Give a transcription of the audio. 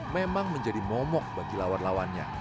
memang menjadi momok bagi lawan lawannya